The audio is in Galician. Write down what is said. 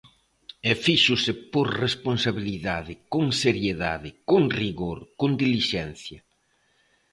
E fíxose por responsabilidade, con seriedade, con rigor, con dilixencia.